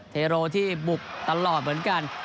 เทโรที่บุกตลอดเหมือนกัน